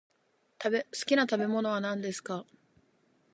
好きな食べ物は何ですか。